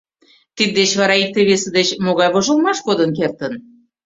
Тиддеч вара икте-весе деч могай вожылмаш кодын кертын?